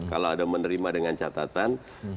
kalau ada menerima dengan catatan